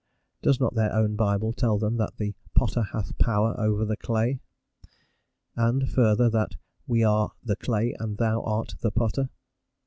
Does not their own Bible tell them that the "potter hath power over the clay," and, further, that "we are the clay and thou art the potter?"